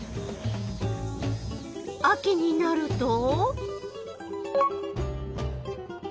秋になると？